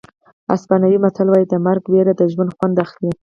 اسپانوي متل وایي د مرګ وېره د ژوند خوند اخلي.